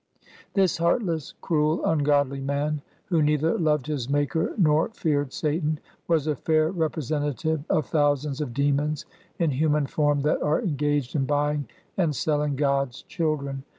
This heartless, cruel, ungodly man, who neither loved his Maker nor feared Satan, was a fair repre sentative of thousands of demons in human form that are engaged in buying and selling God's children.